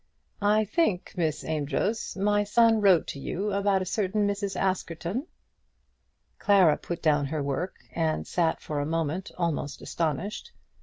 "I think, Miss Amedroz, my son wrote to you about a certain Mrs. Askerton?" Clara put down her work and sat for a moment almost astonished.